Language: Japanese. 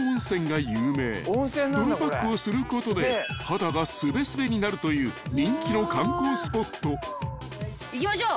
［泥パックをすることで肌がすべすべになるという人気の観光スポット］いきましょう。